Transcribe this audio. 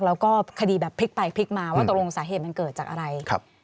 แล้วก็คดีแบบพลิกไปพลิกมาว่าตกลงสาเหตุมันเกิดจากอะไร